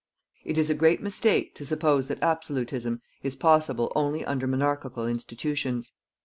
It is a great mistake to suppose that ABSOLUTISM is possible only under monarchical institutions.